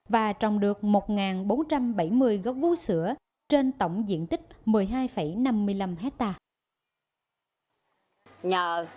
và trồng được một bốn trăm bảy mươi gốc vú sữa trên tổng diện tích một mươi hai năm mươi năm hectare